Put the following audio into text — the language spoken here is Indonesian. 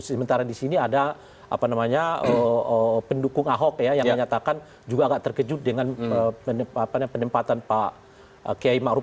sementara di sini ada pendukung ahok yang menyatakan juga agak terkejut dengan penempatan pak kiai ⁇ maruf ⁇